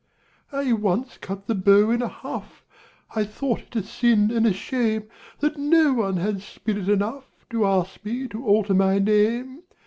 I once cut the beaux in a huff I thought it a sin and a shame That no one had spirit enough To ask me to alter my name.